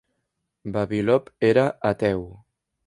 Vavilov era ateu.